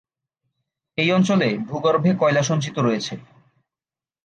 এই অঞ্চলে ভূগর্ভে কয়লা সঞ্চিত রয়েছে।